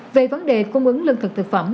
về vấn đề cung ứng lương thực thực phẩm